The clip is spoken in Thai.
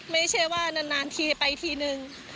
ไม่ใช่ว่านานทีไปทีนึง